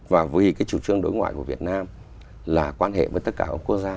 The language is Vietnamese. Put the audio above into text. và vì cái chủ trương đối ngoại của việt nam là quan hệ với tất cả các quốc gia